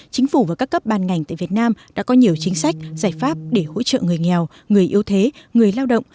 chính phủ và các cấp ban ngành tại việt nam đã có nhiều chính sách giải pháp để hỗ trợ người nghèo người yêu thế người lao động